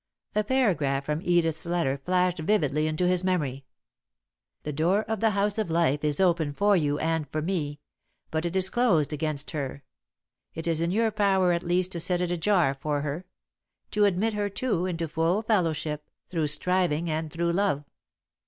A paragraph from Edith's letter flashed vividly into his memory: "_The door of the House of Life is open for you and for me, but it is closed against her. It is in your power at least to set it ajar for her; to admit her, too, into full fellowship, through striving and through love.